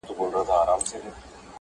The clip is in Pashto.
یوه ورځ پر یوه لوی مار وو ختلی!